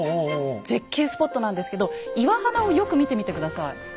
絶景スポットなんですけど岩肌をよく見てみて下さい。